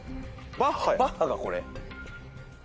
バッハかこれ。